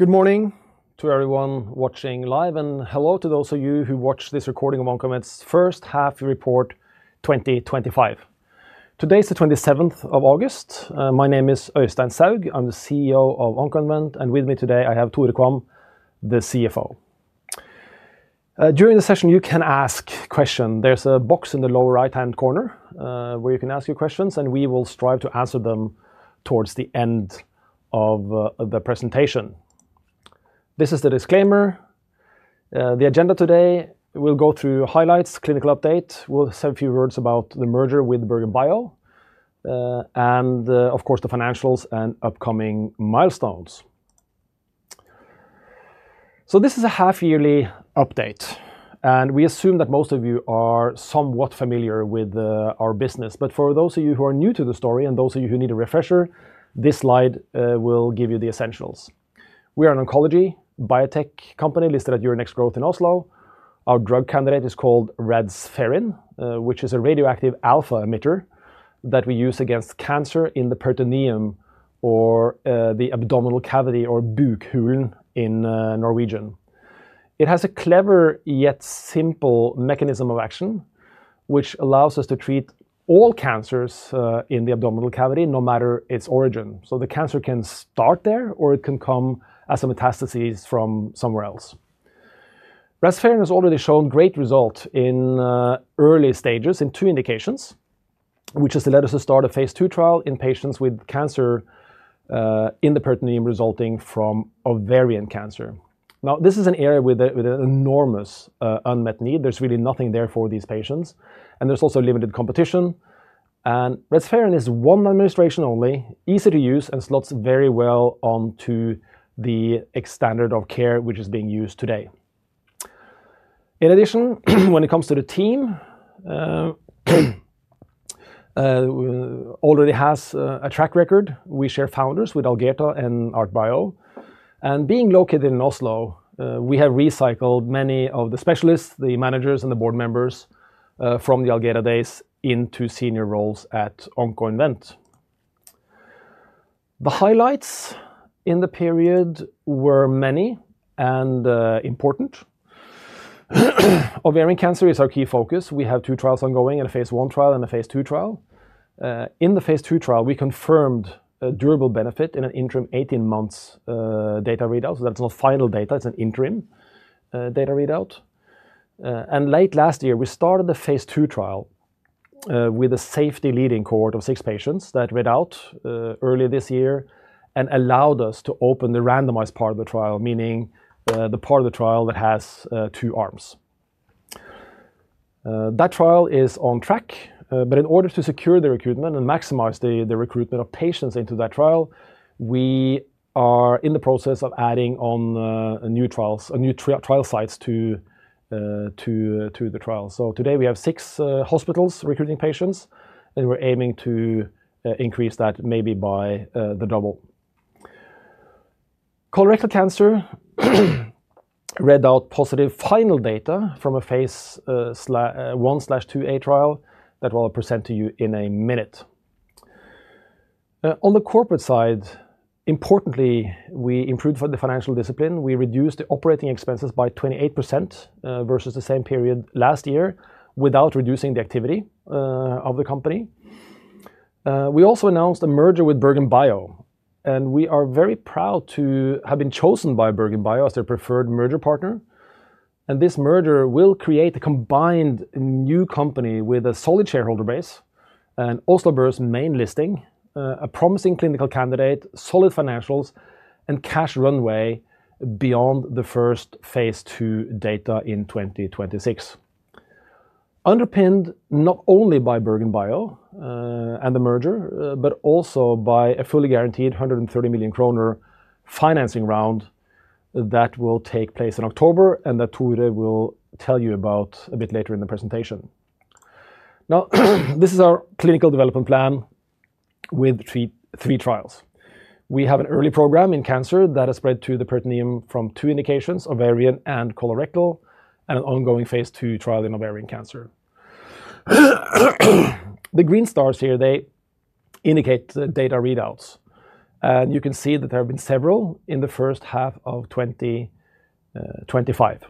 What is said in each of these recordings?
Good morning to everyone watching live, and hello to those of you who watch this recording of Oncoinvent's First Half Report 2025. Today is the 27th of August. My name is Øystein Soug. I'm the CEO of Oncoinvent, and with me today, I have Tore Kvam, the CFO. During the session, you can ask questions. There's a box in the lower right-hand corner where you can ask your questions, and we will strive to answer them towards the end of the presentation. This is the disclaimer. The agenda today: we'll go through highlights, clinical update, we'll say a few words about the merger with BerGenBio, and of course, the financials and upcoming milestones. This is a half-yearly update, and we assume that most of you are somewhat familiar with our business. For those of you who are new to the story and those of you who need a refresher, this slide will give you the essentials. We are an oncology biotech company listed at Euronext Growth in Oslo. Our drug candidate is called Radspherin, which is a radioactive alpha emitter that we use against cancer in the peritoneum or the abdominal cavity, or bukhulen in Norwegian. It has a clever yet simple mechanism of action, which allows us to treat all cancers in the abdominal cavity, no matter its origin. The cancer can start there, or it can come as a metastasis from somewhere else. Radspherin has already shown great results in early stages in two indications, which has led us to start a phase II trial in patients with cancer in the peritoneum resulting from ovarian cancer. This is an area with an enormous unmet need. There's really nothing there for these patients, and there's also limited competition. Radspherin is one administration only, easy to use, and slots very well onto the standard of care which is being used today. In addition, when it comes to the team, it already has a track record. We share founders with Algerta and ARTBIO. Being located in Oslo, we have recycled many of the specialists, the managers, and the board members from the Algerta days into senior roles at Oncoinvent. The highlights in the period were many and important. Ovarian cancer is our key focus. We have two trials ongoing: a phase I trial and a phase II trial. In the phase II trial, we confirmed a durable benefit in an interim 18 months data readout. That's not final data. It's an interim data readout. Late last year, we started the phase II trial with a safety leading cohort of six patients that read out earlier this year and allowed us to open the randomized part of the trial, meaning the part of the trial that has two arms. That trial is on track. In order to secure the recruitment and maximize the recruitment of patients into that trial, we are in the process of adding on new trial sites to the trial. Today, we have six hospitals recruiting patients, and we're aiming to increase that maybe by the double. Colorectal cancer read out positive final data from a phase I/II-A trial that I'll present to you in a minute. On the corporate side, importantly, we improved the financial discipline. We reduced the operating expenses by 28% versus the same period last year without reducing the activity of the company. We also announced a merger with BerGenBio, and we are very proud to have been chosen by BerGenBio as their preferred merger partner. This merger will create a combined new company with a solid shareholder base and Oslo main listing, a promising clinical candidate, solid financials, and cash runway beyond the first phase II data in 2026. This is underpinned not only by BerGenBio and the merger, but also by a fully guaranteed 130 million kroner financing round that will take place in October, and that Tore will tell you about a bit later in the presentation. This is our clinical development plan with three trials. We have an early program in cancer that has spread to the peritoneum from two indications, ovarian and colorectal, and an ongoing phase II trial in ovarian cancer. The green stars here indicate the data readouts, and you can see that there have been several in the first half of 2025.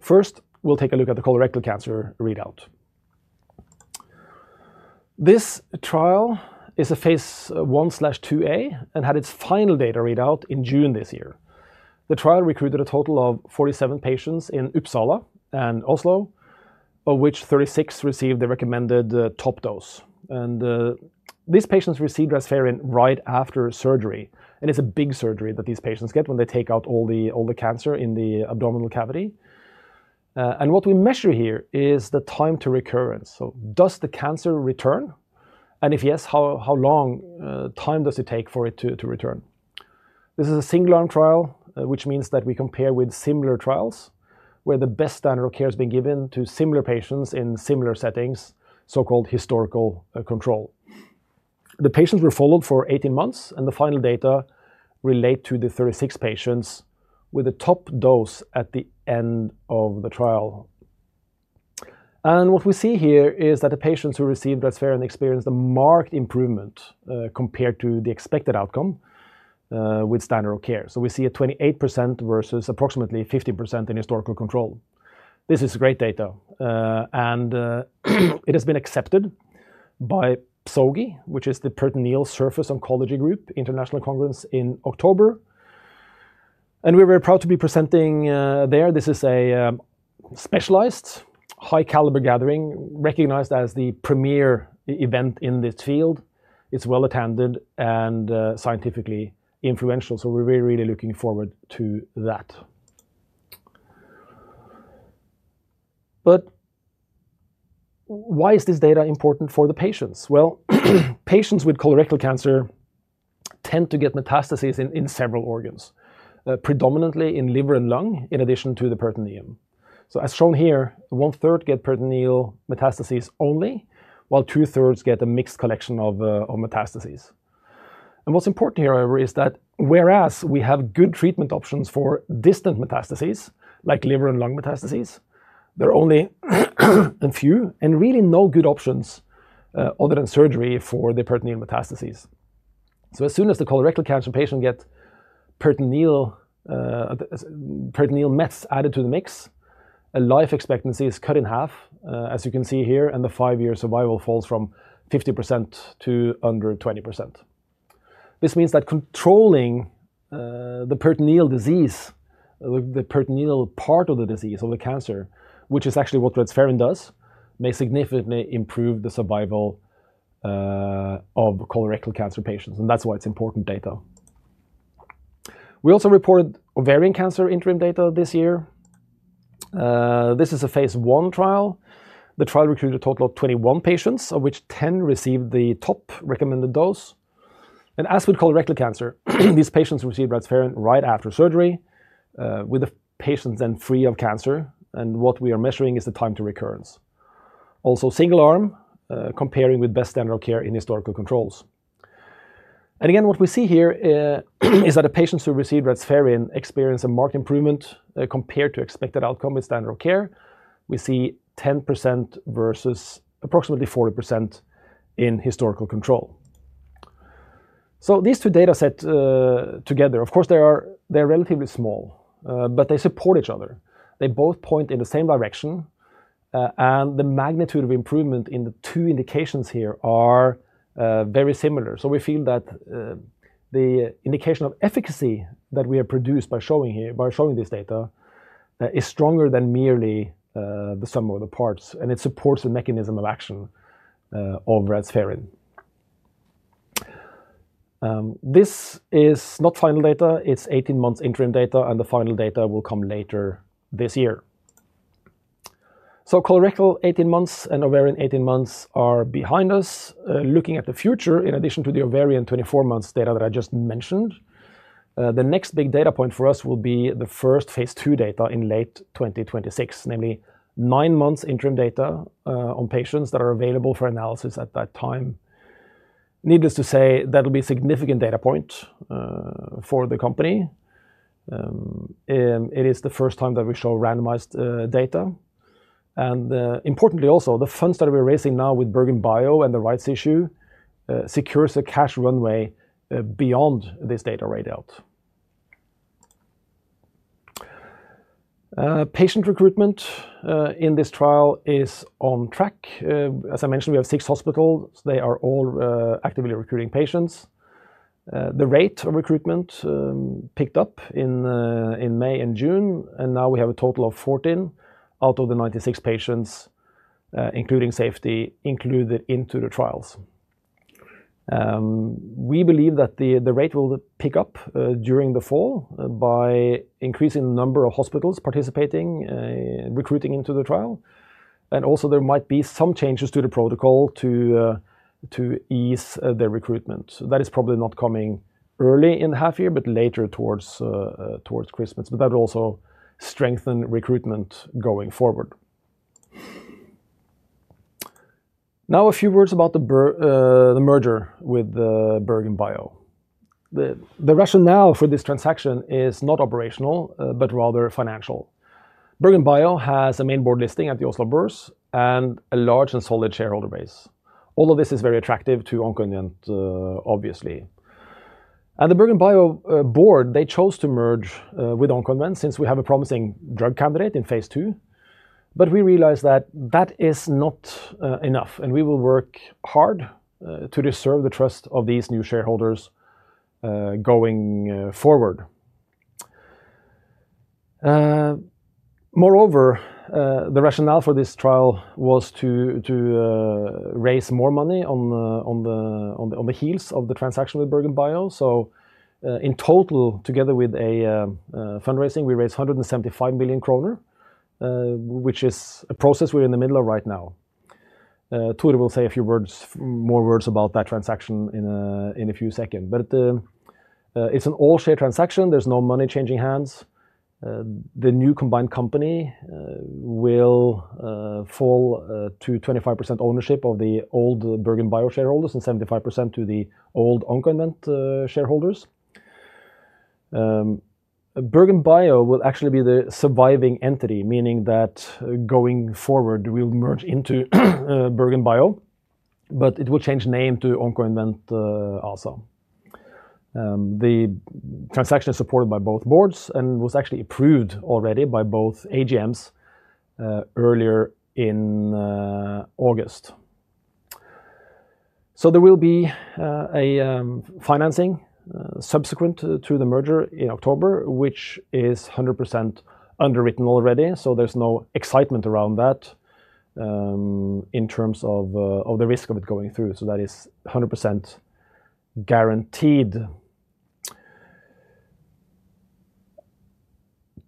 First, we'll take a look at the colorectal cancer readout. This trial is a phase I/II-A and had its final data readout in June this year. The trial recruited a total of 47 patients in Uppsala and Oslo, of which 36 received the recommended top dose. These patients received Radspherin right after surgery, and it's a big surgery that these patients get when they take out all the cancer in the abdominal cavity. What we measure here is the time to recurrence. Does the cancer return, and if yes, how long does it take for it to return? This is a single arm trial, which means that we compare with similar trials where the best standard of care has been given to similar patients in similar settings, so-called historical control. The patients were followed for 18 months, and the final data relate to the 36 patients with the top dose at the end of the trial. What we see here is that the patients who received Radspherin experienced a marked improvement compared to the expected outcome with standard of care. We see a 28% versus approximately 50% in historical control. This is great data, and it has been accepted by PSOGI, which is the Peritoneal Surface Oncology Group International Conference in October. We're very proud to be presenting there. This is a specialized high-caliber gathering recognized as the premier event in this field. It's well attended and scientifically influential. We're really looking forward to that. Why is this data important for the patients? Patients with colorectal cancer tend to get metastases in several organs, predominantly in liver and lung, in addition to the peritoneum. As shown here, one third get peritoneal metastases only, while two thirds get a mixed collection of metastases. What's important here, however, is that whereas we have good treatment options for distant metastases, like liver and lung metastases, there are only a few and really no good options other than surgery for the peritoneal metastases. As soon as the colorectal cancer patient gets peritoneal metastases added to the mix, a life expectancy is cut in half, as you can see here, and the five-year survival falls from 50% to under 20%. This means that controlling the peritoneal disease, the peritoneal part of the disease of the cancer, which is actually what Radspherin does, may significantly improve the survival of colorectal cancer patients. That's why it's important data. We also reported ovarian cancer interim data this year. This is a phase I trial. The trial recruited a total of 21 patients, of which 10 received the top recommended dose. As with colorectal cancer, these patients received Radspherin right after surgery, with the patients then free of cancer. What we are measuring is the time to recurrence. Also, single arm, comparing with best standard of care in historical controls. Again, what we see here is that the patients who received Radspherin experience a marked improvement compared to expected outcome with standard of care. We see 10% versus approximately 40% in historical control. These two data sets together, of course, they're relatively small, but they support each other. They both point in the same direction, and the magnitude of improvement in the two indications here are very similar. We feel that the indication of efficacy that we have produced by showing this data is stronger than merely the sum of the parts, and it supports the mechanism of action of Radspherin. This is not final data. It's 18 months interim data, and the final data will come later this year. Colorectal 18 months and ovarian 18 months are behind us. Looking at the future, in addition to the ovarian 24 months data that I just mentioned, the next big data point for us will be the first phase II data in late 2026, namely nine months interim data on patients that are available for analysis at that time. Needless to say, that'll be a significant data point for the company. It is the first time that we show randomized data. Importantly, also, the funds that we're raising now with BerGenBio and the rights issue secure a cash runway beyond this data readout. Patient recruitment in this trial is on track. As I mentioned, we have six hospitals. They are all actively recruiting patients. The rate of recruitment picked up in May and June, and now we have a total of 14 out of the 96 patients, including safety, included into the trials. We believe that the rate will pick up during the fall by increasing the number of hospitals participating and recruiting into the trial. Also, there might be some changes to the protocol to ease their recruitment. That is probably not coming early in the half year, but later towards Christmas. That will also strengthen recruitment going forward. Now, a few words about the merger with BerGenBio. The rationale for this transaction is not operational, but rather financial. BerGenBio has a main board listing at the Oslo and a large and solid shareholder base. All of this is very attractive to Oncoinvent, obviously. The BerGenBio board chose to merge with Oncoinvent since we have a promising drug candidate in phase II. We realize that that is not enough, and we will work hard to serve the trust of these new shareholders going forward. Moreover, the rationale for this trial was to raise more money on the heels of the transaction with BerGenBio. In total, together with fundraising, we raised 175 million kroner, which is a process we're in the middle of right now. Tore will say a few more words about that transaction in a few seconds. It's an all-share transaction. There's no money changing hands. The new combined company will fall to 25% ownership of the old BerGenBio shareholders and 75% to the old Oncoinvent shareholders. BerGenBio will actually be the surviving entity, meaning that going forward, we will merge into BerGenBio, but it will change name to Oncoinvent ASA. The transaction is supported by both boards and was actually approved already by both AGMs earlier in August. There will be financing subsequent to the merger in October, which is 100% underwritten already. There's no excitement around that in terms of the risk of it going through. That is 100% guaranteed.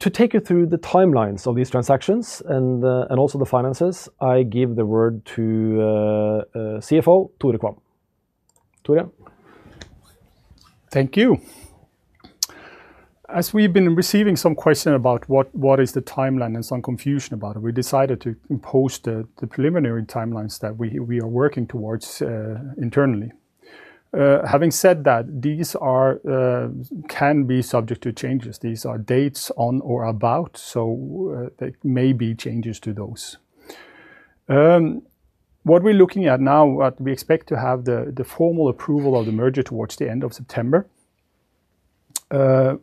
To take you through the timelines of these transactions and also the finances, I give the word to CFO Tore Kvam. Tore. Thank you. As we've been receiving some questions about what is the timeline and some confusion about it, we decided to impose the preliminary timelines that we are working towards internally. Having said that, these can be subject to changes. These are dates on or about, so there may be changes to those. What we're looking at now, we expect to have the formal approval of the merger towards the end of September,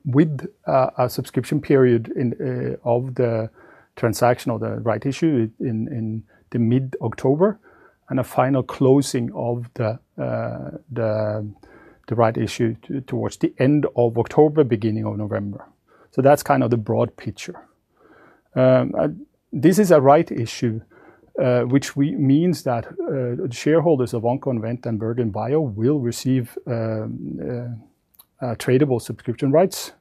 with a subscription period of the transaction of the rights issue in mid-October and a final closing of the rights issue towards the end of October, beginning of November. That's kind of the broad picture. This is a rights issue, which means that the shareholders of Oncoinvent and BerGenBio will receive tradable subscription rights,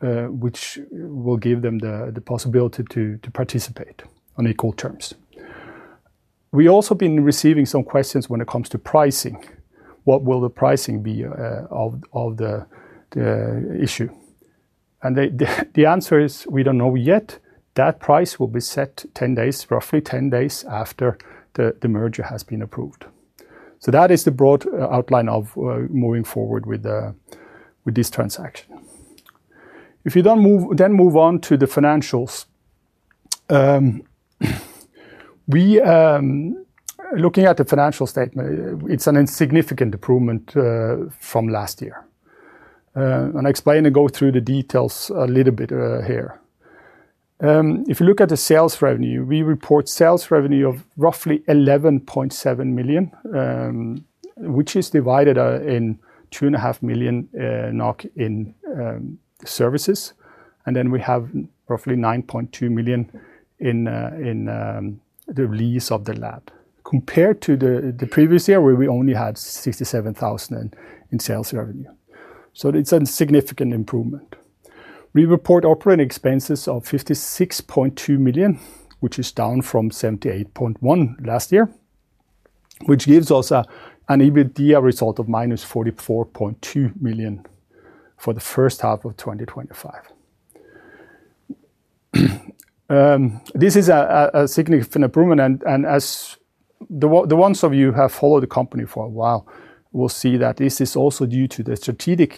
which will give them the possibility to participate on equal terms. We've also been receiving some questions when it comes to pricing. What will the pricing be of the issue? The answer is we don't know yet. That price will be set roughly 10 days after the merger has been approved. That is the broad outline of moving forward with this transaction. If you then move on to the financials, we are looking at the financial statement. It's a significant improvement from last year. I explain and go through the details a little bit here. If you look at the sales revenue, we report sales revenue of roughly 11.7 million, which is divided in 2.5 million NOK in services. Then we have roughly 9.2 million in the release of the lab, compared to the previous year where we only had 67,000 in sales revenue. It's a significant improvement. We report operating expenses of 56.2 million, which is down from 78.1 million last year, which gives us an EBITDA result of minus 44.2 million for the first half of 2025. This is a significant improvement. As the ones of you who have followed the company for a while will see, this is also due to the strategic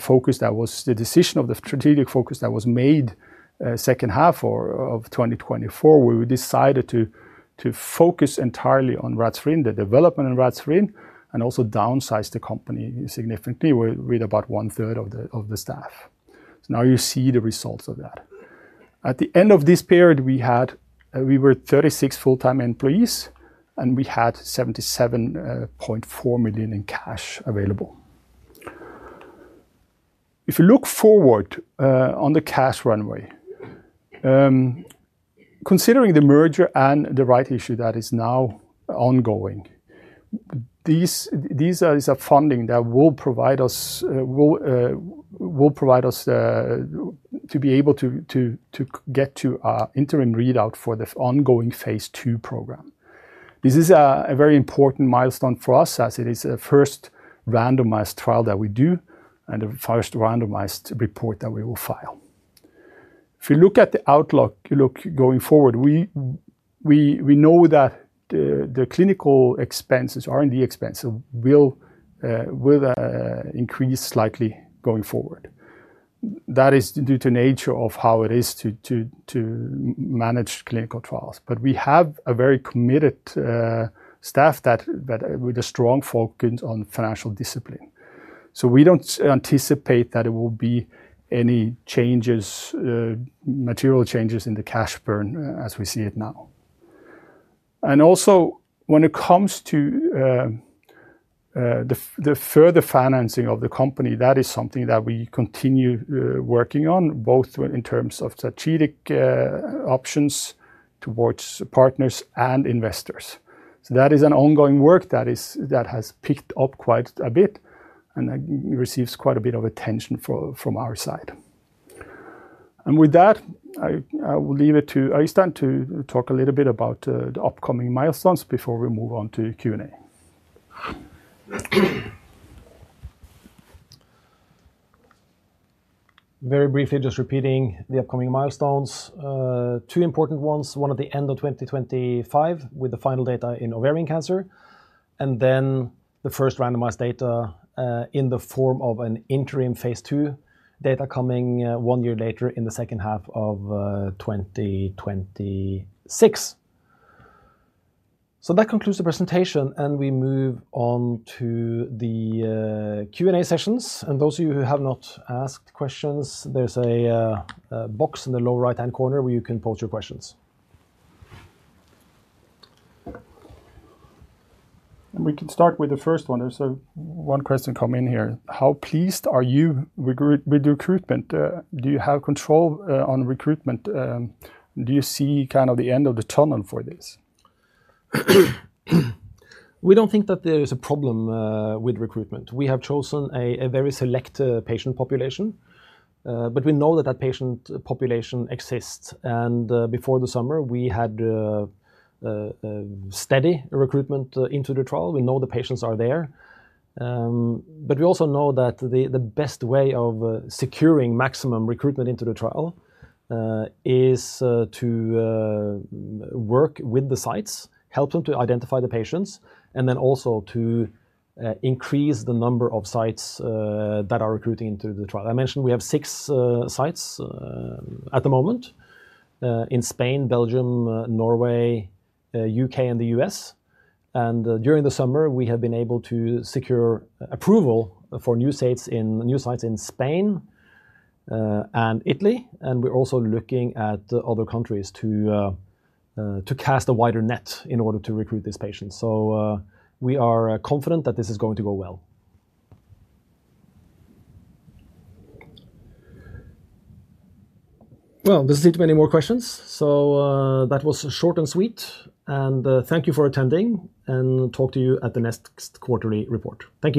focus that was the decision of the strategic focus that was made in the second half of 2024, where we decided to focus entirely on Radspherin, the development in Radspherin, and also downsize the company significantly with about one third of the staff. Now you see the results of that. At the end of this period, we were 36 full-time employees, and we had 77.4 million in cash available. If you look forward on the cash runway, considering the merger and the rights issue that is now ongoing, this is a funding that will provide us to be able to get to our interim readout for the ongoing phase II program. This is a very important milestone for us as it is the first randomized trial that we do and the first randomized report that we will file. If you look at the outlook, you look going forward, we know that the clinical expenses, R&D expenses, will increase slightly going forward. That is due to the nature of how it is to manage clinical trials. We have a very committed staff with a strong focus on financial discipline. We don't anticipate that there will be any changes, material changes in the cash burn as we see it now. Also, when it comes to the further financing of the company, that is something that we continue working on, both in terms of strategic options towards partners and investors. That is an ongoing work that has picked up quite a bit and receives quite a bit of attention from our side. With that, I will leave it to Øystein to talk a little bit about the upcoming milestones before we move on to Q&A. Very briefly, just repeating the upcoming milestones. Two important ones. One at the end of 2025 with the final data in ovarian cancer. The first randomized data in the form of an interim phase II data coming one year later in the second half of 2026. That concludes the presentation, and we move on to the Q&A sessions. Those of you who have not asked questions, there's a box in the lower right-hand corner where you can post your questions. We can start with the first one. There's one question coming in here. How pleased are you with recruitment? Do you have control on recruitment? Do you see kind of the end of the tunnel for this? We don't think that there is a problem with recruitment. We have chosen a very select patient population, but we know that that patient population exists. Before the summer, we had steady recruitment into the trial. We know the patients are there. We also know that the best way of securing maximum recruitment into the trial is to work with the sites, help them to identify the patients, and also to increase the number of sites that are recruiting into the trial. I mentioned we have six sites at the moment in Spain, Belgium, Norway, U.K., and the U.S. During the summer, we have been able to secure approval for new sites in Spain and Italy. We're also looking at other countries to cast a wider net in order to recruit these patients. We are confident that this is going to go well. There are not many more questions. That was short and sweet. Thank you for attending, and talk to you at the next quarterly report. Thank you.